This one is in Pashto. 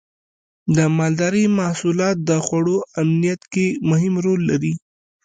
د مالدارۍ محصولات د خوړو امنیت کې مهم رول لري.